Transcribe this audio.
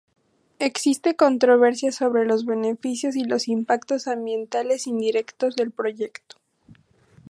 Existe controversia sobre los beneficios y los impactos ambientales indirectos del proyecto.